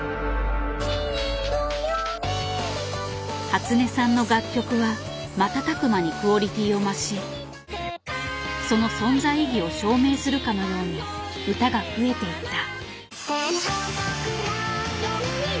初音さんの楽曲は瞬く間にクオリティーを増しその存在意義を証明するかのように歌が増えていった。